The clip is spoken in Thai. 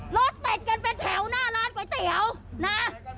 รถติดกันเป็นแถวหน้าร้านก๋วยเตี๋ยวนะ